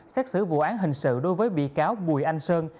xét xử vụ án hình sự đối với bị cáo bùi anh sơn